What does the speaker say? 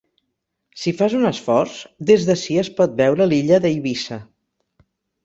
Si fas un esforç, des d'ací es pot veure l'illa d'Eivissa.